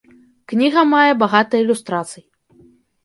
Кніга мае багата ілюстрацый.